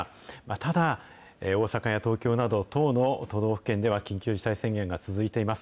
ただ、大阪や東京など１０の都道府県では、緊急事態宣言が続いています。